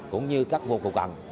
cũng như các vô cầu cận